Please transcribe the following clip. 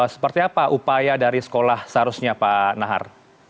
seperti apa upaya dari sekolah seharusnya pak nahar